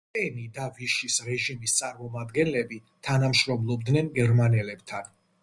პეტენი და ვიშის რეჟიმის წარმომადგენლები, თანამშრომლობდნენ გერმანელებთან.